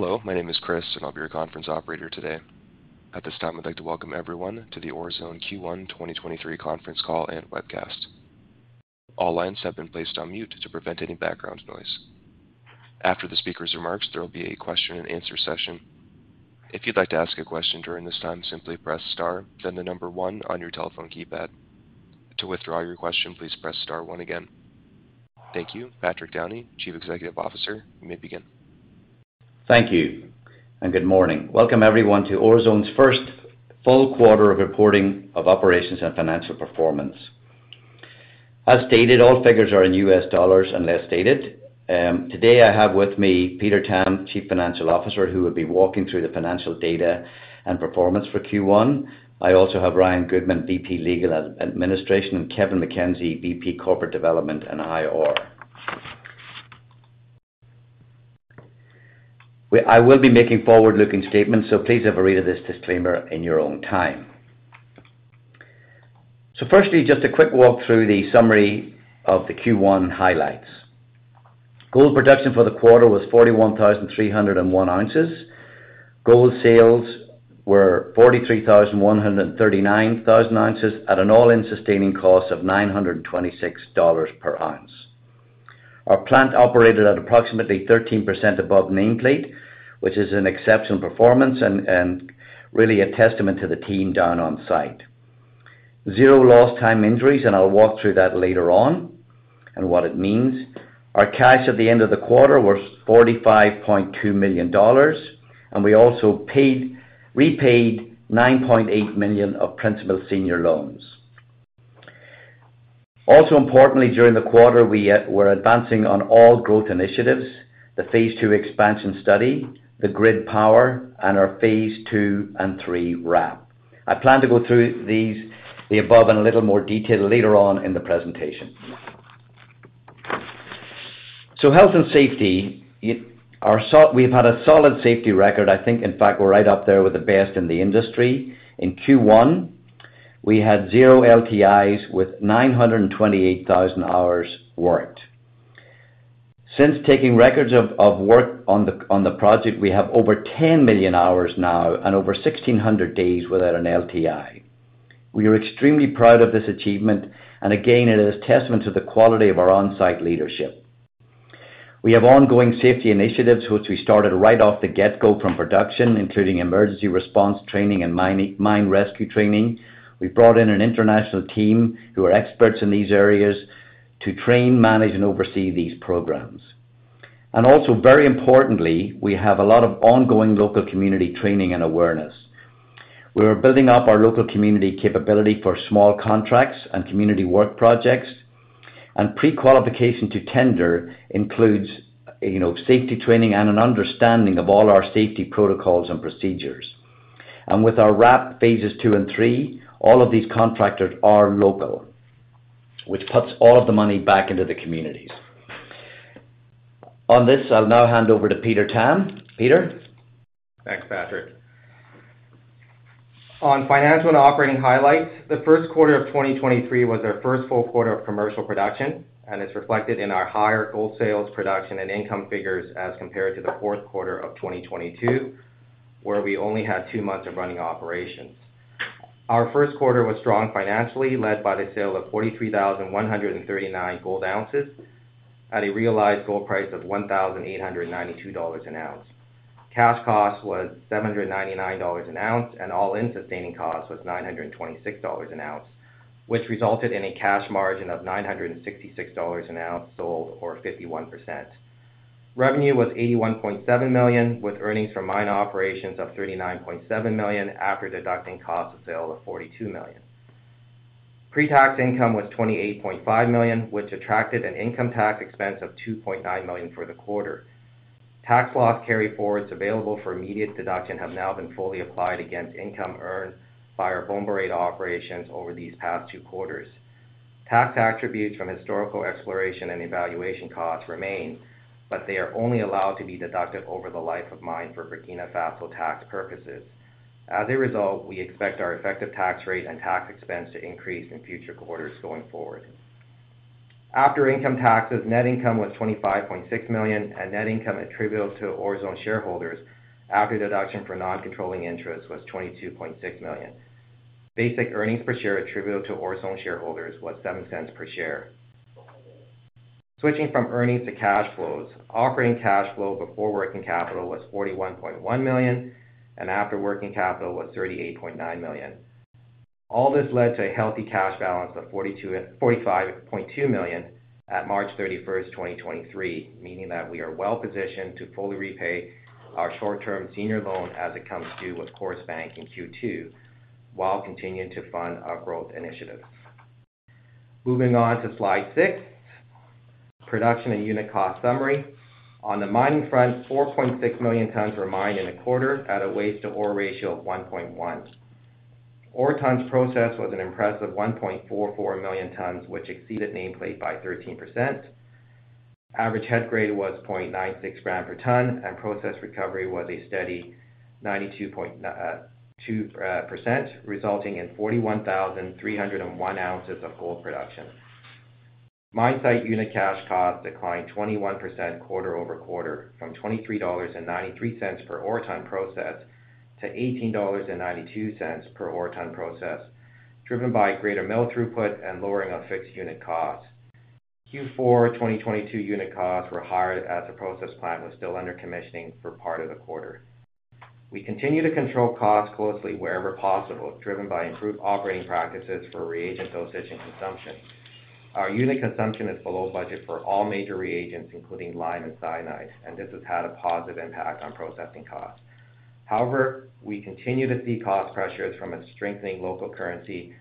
Hello, my name is Chris. I'll be your conference operator today. At this time, I'd like to welcome everyone to the Orezone Q1 2023 conference call and webcast. All lines have been placed on mute to prevent any background noise. After the speaker's remarks, there will be a question and answer session. If you'd like to ask a question during this time, simply press star then the number one on your telephone keypad. To withdraw your question, please press star one again. Thank you. Patrick Downey, Chief Executive Officer, you may begin. Thank you and good morning. Welcome everyone to Orezone's first full quarter of reporting of operations and financial performance. As stated, all figures are in $ unless stated. Today I have with me Peter Tam, Chief Financial Officer, who will be walking through the financial data and performance for Q1. I also have Ryan Goodman, VP Legal & Administration, and Kevin MacKenzie, VP Corporate Development and Investor Relations. I will be making forward-looking statements, please have a read of this disclaimer in your own time. Firstly, just a quick walk through the summary of the Q1 highlights. Gold production for the quarter was 41,301 ounces. Gold sales were 43,139,000 ounces at an all-in sustaining cost of $926 per ounce. Our plant operated at approximately 13% above nameplate, which is an exceptional performance and really a testament to the team down on site. Zero lost time injuries, I'll walk through that later on and what it means. Our cash at the end of the quarter was $45.2 million, we also repaid $9.8 million of principal senior loans. Also importantly, during the quarter, we're advancing on all growth initiatives, the phase 2 expansion study, the grid power, and our phase 2 and 3 RAP. I plan to go through these, the above in a little more detail later on in the presentation. Health and safety, we've had a solid safety record. I think, in fact, we're right up there with the best in the industry. In Q1, we had zero LTIs with 928,000 hours worked. Since taking records of work on the project, we have over 10 million hours now and over 1,600 days without an LTI. We are extremely proud of this achievement, again, it is a testament to the quality of our on-site leadership. We have ongoing safety initiatives, which we started right off the get-go from production, including emergency response training and mine rescue training. We brought in an international team who are experts in these areas to train, manage, and oversee these programs. Also, very importantly, we have a lot of ongoing local community training and awareness. We're building up our local community capability for small contracts and community work projects, and prequalification to tender includes, you know, safety training and an understanding of all our safety protocols and procedures. With our RAP phases two and three, all of these contractors are local, which puts all of the money back into the communities. On this, I'll now hand over to Peter Tam. Peter? Thanks, Patrick. On financial and operating highlights, the first quarter of 2023 was our first full quarter of commercial production. It's reflected in our higher gold sales, production, and income figures as compared to the fourth quarter of 2022, where we only had 2 months of running operations. Our first quarter was strong financially, led by the sale of 43,139 gold ounces at a realized gold price of $1,892 an ounce. Cash cost was $799 an ounce, and all-in sustaining cost was $926 an ounce, which resulted in a cash margin of $966 an ounce sold or 51%. Revenue was $81.7 million, with earnings from mine operations of $39.7 million after deducting cost of sale of $42 million. Pre-tax income was $28.5 million, which attracted an income tax expense of $2.9 million for the quarter. Tax loss carryforwards available for immediate deduction have now been fully applied against income earned by our Bomboré operations over these past two quarters. Tax attributes from historical exploration and evaluation costs remain, they are only allowed to be deducted over the life of mine for Burkina Faso tax purposes. As a result, we expect our effective tax rate and tax expense to increase in future quarters going forward. After income taxes, net income was $25.6 million, and net income attributable to Orezone shareholders after deduction for non-controlling interests was $22.6 million. Basic earnings per share attributable to Orezone shareholders was $0.07 per share. Switching from earnings to cash flows, operating cash flow before working capital was $41.1 million and after working capital was $38.9 million. All this led to a healthy cash balance of $45.2 million at March 31, 2023, meaning that we are well positioned to fully repay our short-term senior loan as it comes due with Coris Bank in Q2 while continuing to fund our growth initiatives. Moving on to slide six, production and unit cost summary. On the mining front, 4.6 million tons were mined in the quarter at a waste-to-ore ratio of 1.1. Ore tons processed was an impressive 1.44 million tons, which exceeded nameplate by 13%. Average head grade was 0.96 gram per ton, and process recovery was a steady 92.2%, resulting in 41,301 ounces of gold production. Mine site unit cash costs declined 21% quarter-over-quarter from $23.93 per ore ton processed to $18.92 per ore ton processed, driven by greater mill throughput and lowering of fixed unit costs. Q4 2022 unit costs were higher as the process plant was still under commissioning for part of the quarter. We continue to control costs closely wherever possible, driven by improved operating practices for reagent dosage and consumption. Our unit consumption is below budget for all major reagents, including lime and cyanide, and this has had a positive impact on processing costs. We continue to see cost pressures from a strengthening local currency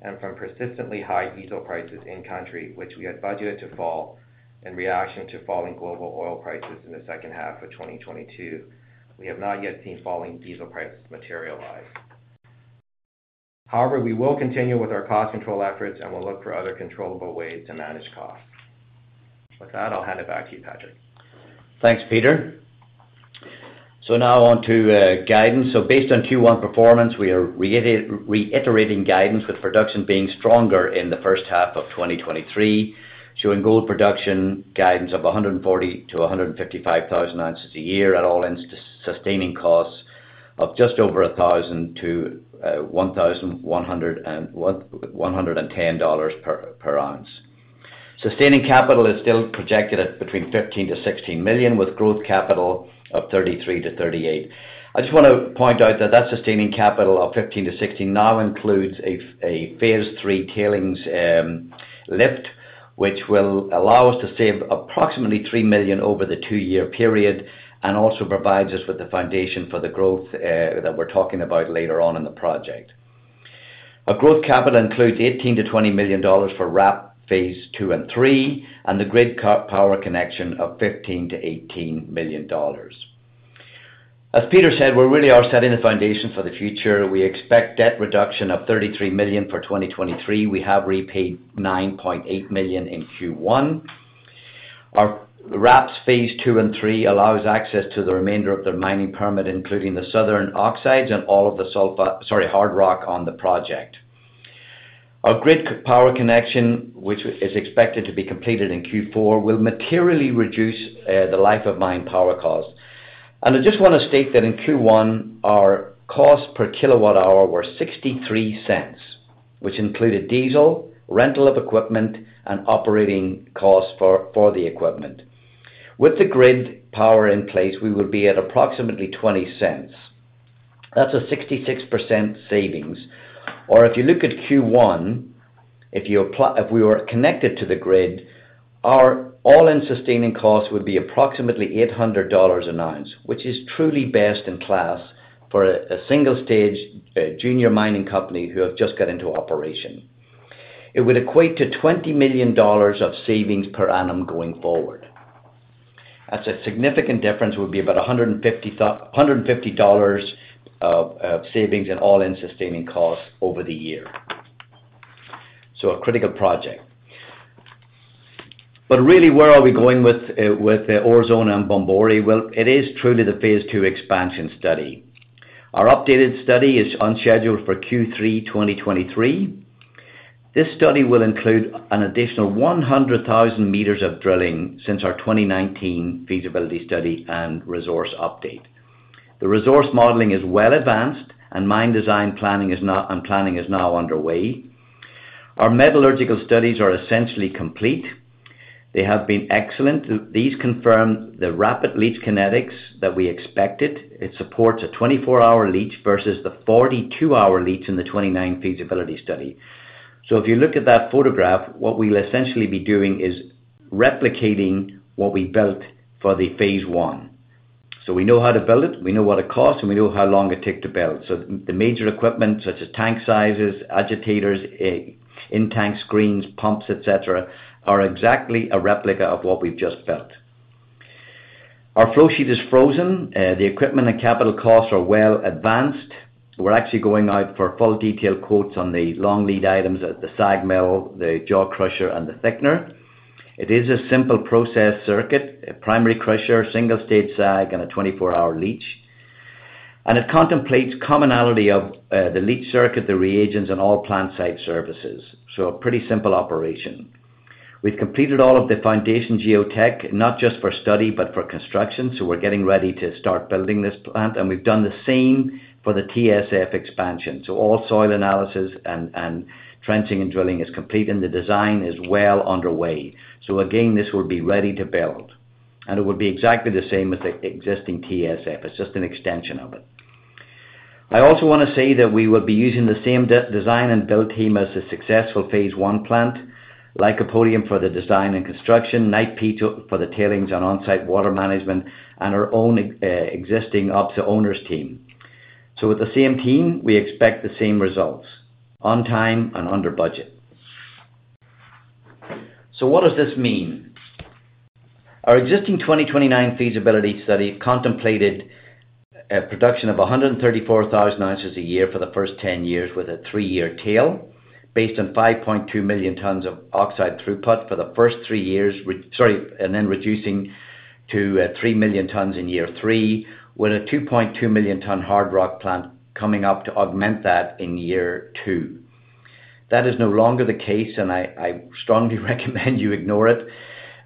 and from persistently high diesel prices in country, which we had budgeted to fall in reaction to falling global oil prices in the second half of 2022. We have not yet seen falling diesel prices materialize. We will continue with our cost control efforts and will look for other controllable ways to manage costs. With that, I'll hand it back to you, Patrick. Thanks, Peter. Now on to guidance. Based on Q1 performance, we are reiterating guidance with production being stronger in the first half of 2023, showing gold production guidance of 140,000-155,000 ounces a year at all-in sustaining costs of just over $1,000-$1,110 per ounce. Sustaining capital is still projected at between $15 million-$16 million, with growth capital of $33-$38. I just want to point out that that sustaining capital of $15 million-$16 million now includes a phase 3 tailings lift, which will allow us to save approximately $3 million over the 2-year period and also provides us with the foundation for the growth that we're talking about later on in the project. Our growth capital includes $18 million-$20 million for RAP phase 2 and 3, and the grid co-power connection of $15 million-$18 million. As Peter said, we really are setting the foundation for the future. We expect debt reduction of $33 million for 2023. We have repaid $9.8 million in Q1. Our RAPS phase 2 and 3 allows access to the remainder of the mining permit, including the southern oxides and all of the sulfur hard rock on the project. Our grid power connection, which is expected to be completed in Q4, will materially reduce the life of mine power costs. I just wanna state that in Q1, our costs per kilowatt hour were $0.63, which included diesel, rental of equipment, and operating costs for the equipment. With the grid power in place, we will be at approximately $0.20. That's a 66% savings. Or if you look at Q1, if you apply... If we were connected to the grid, our all-in sustaining costs would be approximately $800 an ounce, which is truly best in class for a single stage junior mining company who have just got into operation. It would equate to $20 million of savings per annum going forward. That's a significant difference. It would be about $150 of savings in all-in sustaining costs over the year. A critical project. Really, where are we going with Orezone and Bomboré? Well, it is truly the phase two expansion study. Our updated study is on schedule for Q3 2023. This study will include an additional 100,000 meters of drilling since our 2019 feasibility study and resource update. The resource modeling is well advanced and mine design planning is now underway. Our metallurgical studies are essentially complete. They have been excellent. These confirm the rapid leach kinetics that we expected. It supports a 24-hour leach versus the 42-hour leach in the 2019 feasibility study. If you look at that photograph, what we'll essentially be doing is replicating what we built for the phase one. We know how to build it, we know what it costs, and we know how long it takes to build. The major equipment such as tank sizes, agitators, in-tank screens, pumps, et cetera, are exactly a replica of what we've just built. Our flow sheet is frozen. The equipment and capital costs are well advanced. We're actually going out for full detailed quotes on the long lead items at the SAG mill, the jaw crusher, and the thickener. It is a simple process circuit, a primary crusher, single-stage SAG, and a 24-hour leach. It contemplates commonality of the leach circuit, the reagents, and all plant site services. A pretty simple operation. We've completed all of the foundation geotech, not just for study, but for construction. We're getting ready to start building this plant, and we've done the same for the TSF expansion. All soil analysis and trenching and drilling is complete, and the design is well underway. Again, this will be ready to build, and it will be exactly the same as the existing TSF. It's just an extension of it. I also wanna say that we will be using the same de-design and build team as the successful phase one plant, Lycopodium for the design and construction, Knight Piésold for the tailings and on-site water management, and our own existing ops owners team. With the same team, we expect the same results, on time and under budget. What does this mean? Our existing 2029 feasibility study contemplated a production of 134,000 ounces a year for the first 10 years with a three-year tail based on 5.2 million tons of oxide throughput for the first three years, sorry, and then reducing to three million tons in year three, with a 2.2 million ton hard rock plant coming up to augment that in year two. That is no longer the case, and I strongly recommend you ignore it.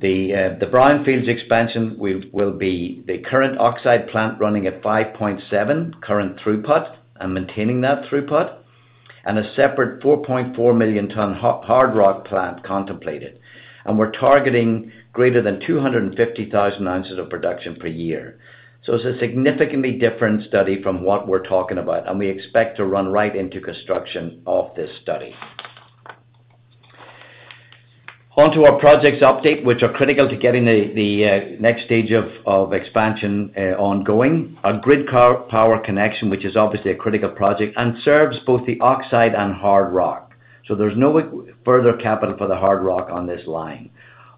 The brownfields expansion will be the current oxide plant running at 5.7 current throughput and maintaining that throughput, and a separate 4.4 million ton hard rock plant contemplated. We're targeting greater than 250,000 ounces of production per year. It's a significantly different study from what we're talking about, and we expect to run right into construction of this study. On to our projects update, which are critical to getting the next stage of expansion ongoing. A grid co-power connection, which is obviously a critical project and serves both the oxide and hard rock. There's no further capital for the hard rock on this line.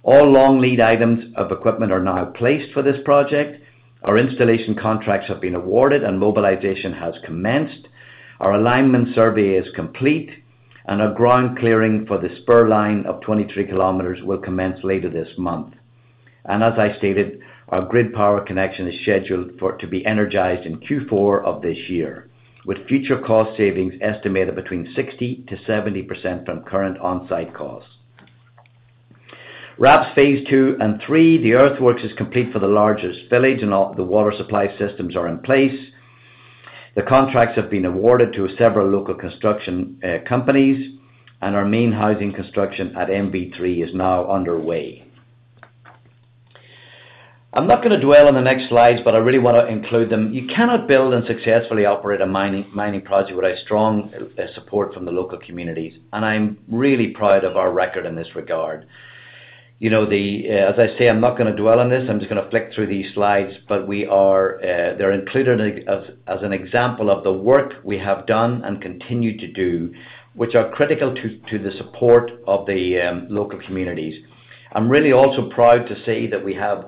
All long lead items of equipment are now placed for this project. Our installation contracts have been awarded and mobilization has commenced. Our alignment survey is complete, and our ground clearing for the spur line of 23 km will commence later this month. As I stated, our grid power connection is scheduled to be energized in Q4 of this year, with future cost savings estimated between 60%-70% from current on-site costs. RAPS phase 2 and 3, the earthworks is complete for the largest village, and all the water supply systems are in place. The contracts have been awarded to several local construction companies, and our main housing construction at MV3 is now underway. I'm not gonna dwell on the next slides, but I really wanna include them. You cannot build and successfully operate a mining project without strong support from the local communities, and I'm really proud of our record in this regard. You know, the. as I say, I'm not gonna dwell on this, I'm just gonna flick through these slides. They're included as an example of the work we have done and continue to do, which are critical to the support of the local communities. I'm really also proud to say that we have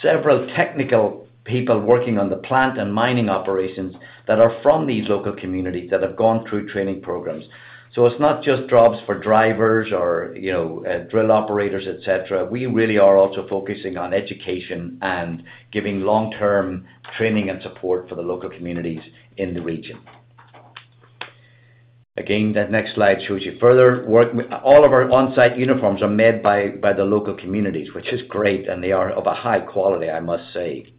several technical people working on the plant and mining operations that are from these local communities that have gone through training programs. It's not just jobs for drivers or, you know, drill operators, et cetera. We really are also focusing on education and giving long-term training and support for the local communities in the region. That next slide shows you further work. All of our on-site uniforms are made by the local communities, which is great, and they are of a high quality, I must say.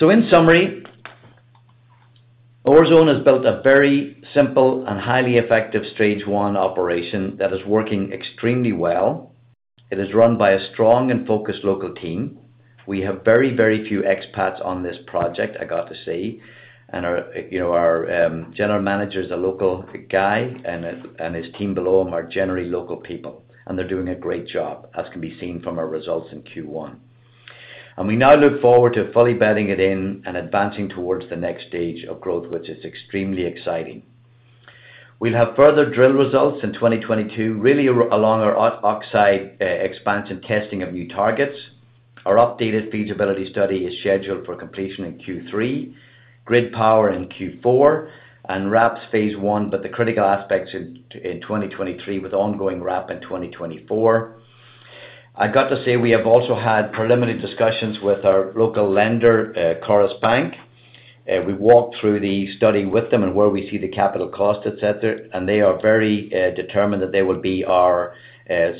In summary, Orezone has built a very simple and highly effective stage one operation that is working extremely well. It is run by a strong and focused local team. We have very few expats on this project, I got to say. Our, you know, our general manager is a local guy, and his team below him are generally local people, and they're doing a great job, as can be seen from our results in Q1. We now look forward to fully bedding it in and advancing towards the next stage of growth, which is extremely exciting. We'll have further drill results in 2022, really along our oxide expansion testing of new targets. Our updated feasibility study is scheduled for completion in Q3, grid power in Q4, and RAPS phase one, but the critical aspects in 2023 with ongoing RAP in 2024. I got to say, we have also had preliminary discussions with our local lender, Coris Bank. We walked through the study with them and where we see the capital cost, et cetera, and they are very determined that they will be our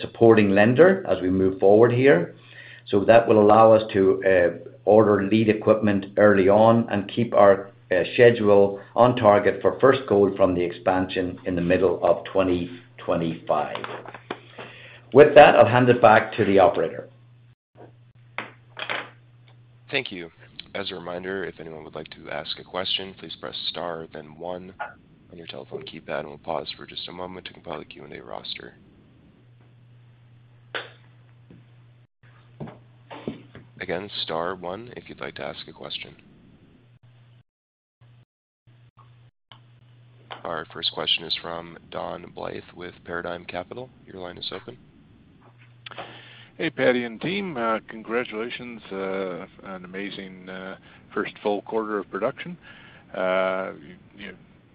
supporting lender as we move forward here. That will allow us to order lead equipment early on and keep our schedule on target for first gold from the expansion in the middle of 2025. With that, I'll hand it back to the operator. Thank you. As a reminder, if anyone would like to ask a question, please press star then one on your telephone keypad, and we'll pause for just a moment to compile the Q&A roster. Again, star one if you'd like to ask a question. Our first question is from Don Blyth with Paradigm Capital. Your line is open. Hey, Paddy and team. Congratulations on an amazing first full quarter of production. You've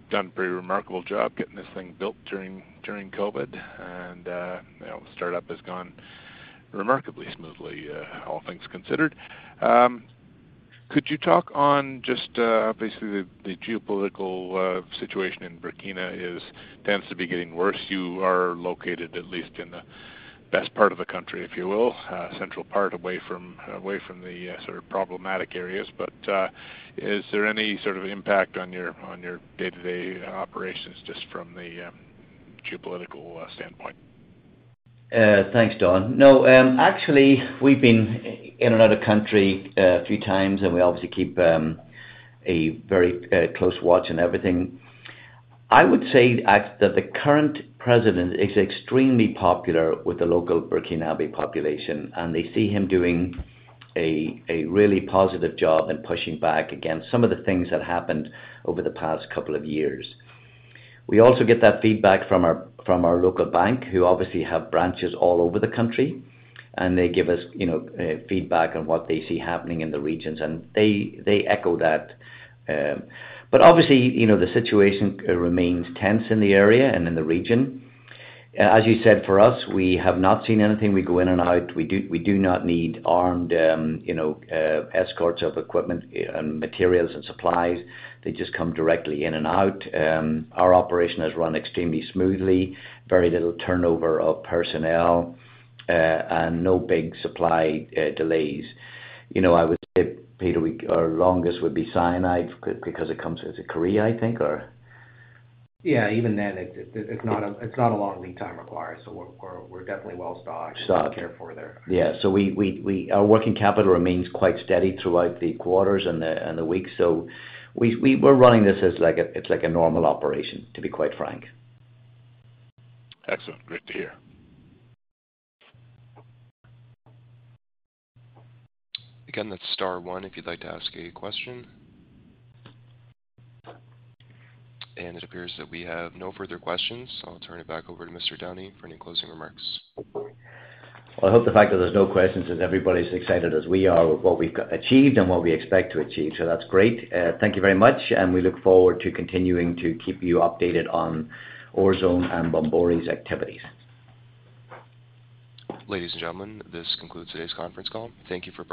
done a pretty remarkable job getting this thing built during COVID, and, you know, the startup has gone remarkably smoothly, all things considered. Could you talk on just, obviously, the geopolitical situation in Burkina is tends to be getting worse? You are located at least in the best part of the country, if you will, central part away from the sort of problematic areas. Is there any sort of impact on your day-to-day operations just from the geopolitical standpoint? Thanks, Don. No, actually we've been in and out of country a few times, and we obviously keep a very close watch on everything. I would say that the current president is extremely popular with the local Burkinabé population, and they see him doing a really positive job in pushing back against some of the things that happened over the past couple of years. We also get that feedback from our local bank, who obviously have branches all over the country, and they give us, you know, feedback on what they see happening in the regions, and they echo that. Obviously, you know, the situation remains tense in the area and in the region. As you said, for us, we have not seen anything. We go in and out. We do not need armed, you know, escorts of equipment, and materials and supplies. They just come directly in and out. Our operation has run extremely smoothly, very little turnover of personnel, and no big supply delays. You know, I would say, Peter, our longest would be cyanide because it comes out of Korea, I think, or. Yeah. Even then it's not a long lead time required, so we're definitely well stocked. Stocked... to care for there. Yeah. We our working capital remains quite steady throughout the quarters and the weeks. We're running this, it's like a normal operation, to be quite frank. Excellent. Great to hear. Again, that's star one if you'd like to ask a question. It appears that we have no further questions, so I'll turn it back over to Mr. Downey for any closing remarks. Well, I hope the fact that there's no questions is everybody's as excited as we are with what we've achieved and what we expect to achieve. That's great. Thank you very much, we look forward to continuing to keep you updated on Orezone and Bomboré's activities. Ladies and gentlemen, this concludes today's conference call. Thank you for participating.